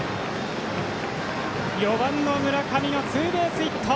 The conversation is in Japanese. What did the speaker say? ４番の村上のツーベースヒット。